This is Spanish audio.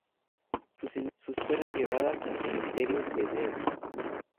Sus cenizas fueron llevadas al cementerio de Reus.